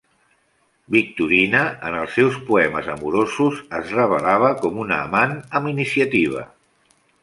Victorina, en els seus poemes amorosos es revelava com una amant amb iniciativa.